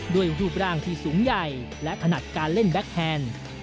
รูปร่างที่สูงใหญ่และถนัดการเล่นแก๊คแฮนด์